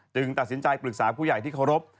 ตัดสินใจปรึกษาผู้ใหญ่ที่เคารพ